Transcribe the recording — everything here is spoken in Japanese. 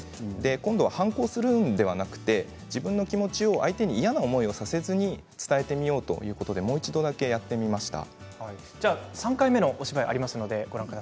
今度は反抗するのではなく自分の気持ちを相手に嫌な思いをさせずに伝えてみようともう一度やってみることにしました。